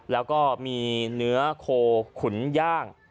แล้วก็มีเนื้อโคขุนย่าง